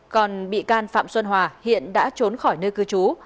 còn bị can phạm xuân hòa hiện đã trốn khỏi nơi cư trú